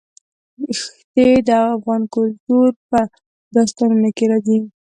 ښتې د افغان کلتور په داستانونو کې راځي.